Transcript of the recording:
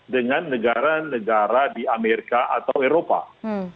dengan negara negara di amerika atau di indonesia